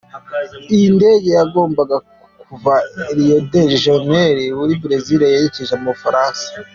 Iyi ndege yagombaga kuva Rio De Janeiro muri Brezil yerekeje mu Bufaransa.